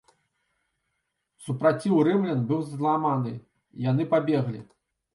Супраціў рымлян быў зламаны, яны пабеглі.